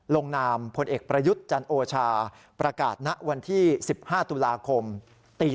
ลงนามพลเอกประยุทธ์จันโอชาประกาศณวันที่๑๕ตุลาคมตี๒